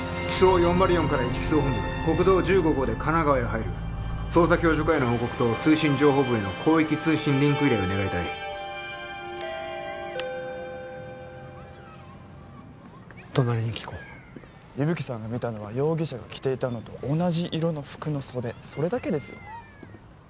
機捜４０４から１機捜本部国道１５号で神奈川へ入る捜査共助課への報告と通信情報部への広域通信リンク依頼を願いたい隣に聞こう伊吹さんが見たのは容疑者が着ていたのと同じ色の服の袖それだけですよ